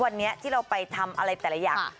วันนี้ที่เราไปทำอะไรแต่ละอย่าง